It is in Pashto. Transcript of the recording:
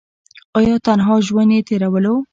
او تنها ژوند ئې تيرولو ۔